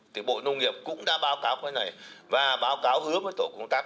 thì bộ nông nghiệp cũng đã báo cáo cái này và báo cáo hứa với tổ công tác